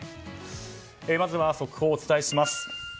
まずは速報をお伝えします。